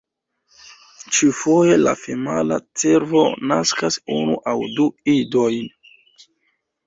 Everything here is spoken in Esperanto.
Ĉiufoje la femala cervo naskas unu aŭ du idojn.